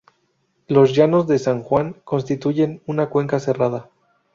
Los llanos de San Juan constituyen una cuenca cerrada.